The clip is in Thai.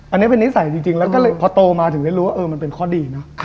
อันนี้เป็นนิสัยจริงแล้วก็เลยพอโตมาถึงได้รู้ว่ามันเป็นข้อดีเนอะ